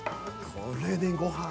これでご飯。